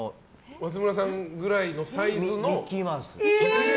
松村さんくらいのサイズの。